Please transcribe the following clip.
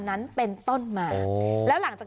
นี่คือเทคนิคการขาย